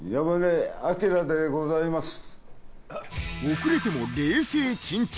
遅れても冷静沈着。